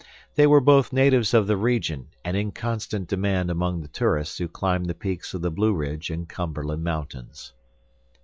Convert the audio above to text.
They were both natives of the region, and in constant demand among the tourists who climbed the peaks of the Blueridge and Cumberland Mountains.